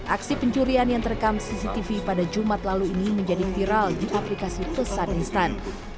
aksi pencurian yang terekam cctv pada jumat lalu ini menjadi viral di aplikasi pesan instan